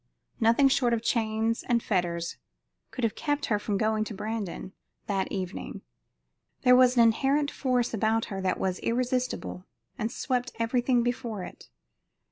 Nothing short of chains and fetters could have kept her from going to Brandon that evening. There was an inherent force about her that was irresistible and swept everything before it.